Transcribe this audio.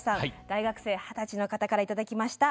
大学生二十歳の方からいただきました。